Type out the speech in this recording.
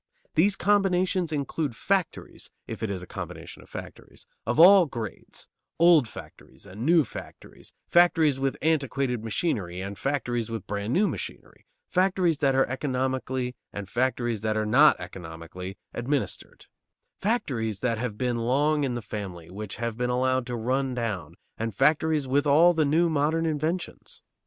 These combinations include factories (if it is a combination of factories) of all grades: old factories and new factories, factories with antiquated machinery and factories with brand new machinery; factories that are economically and factories that are not economically administered; factories that have been long in the family, which have been allowed to run down, and factories with all the new modern inventions.